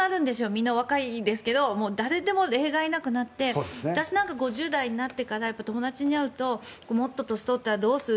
みんな若いですけど誰でも例外なくなって私なんか５０代になってから友達に会うともっと年取ったらどうする？